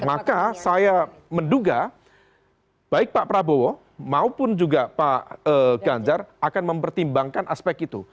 maka saya menduga baik pak prabowo maupun juga pak ganjar akan mempertimbangkan aspek itu